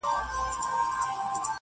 o پردى جنگ نيم اختر دئ!